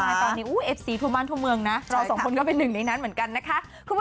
ใช่ตอนนี้เอฟซีทั่วบ้านทั่วเมืองนะเราสองคนก็เป็นหนึ่งในนั้นเหมือนกันนะคะ